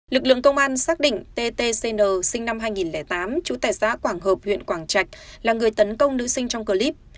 lực lượng công an xác định ttcn sinh năm hai nghìn tám chủ tài xã quảng hợp huyện quảng trạch là người tấn công nữ sinh trong clip